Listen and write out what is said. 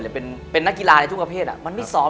เป็นนักกีฬาในทุกประเภทมันไม่ซ้อม